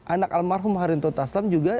anak almarhum harim tuta aslam juga